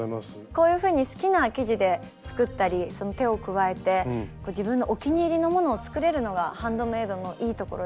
こういうふうに好きな生地で作ったり手を加えて自分のお気に入りのものを作れるのがハンドメイドのいいところですね。